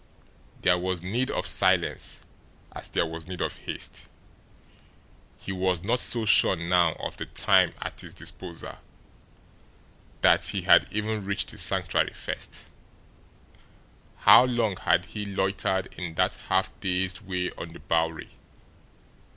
There was need of silence, as there was need of haste. He was not so sure now of the time at his disposal that he had even reached the Sanctuary FIRST. How long had he loitered in that half dazed way on the Bowery?